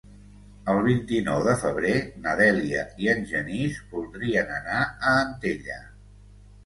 El vint-i-nou de febrer na Dèlia i en Genís voldrien anar a Antella.